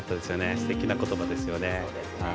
すてきな言葉ですよね。